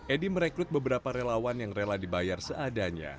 edi merekrut beberapa relawan yang rela dibayar seadanya